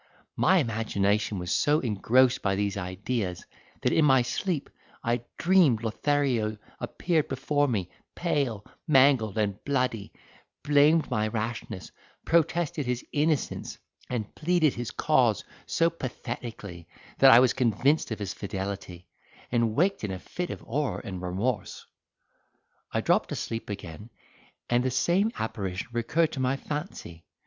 My imagination was so engrossed by these ideas, that in my sleep I dreamed Lothario appeared before me pale, mangled, and bloody, blamed my rashness, protested his innocence, and pleaded his cause so pathetically, that I was convinced of his fidelity, and waked in a fit of horror and remorse. I dropped asleep again, and the same apparition recurred to my fancy.